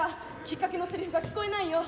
きっかけのセリフが聞こえないよ。